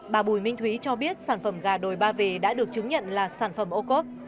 bà bùi minh thúy cho biết sản phẩm gà đồi ba vì đã được chứng nhận là sản phẩm ô cốp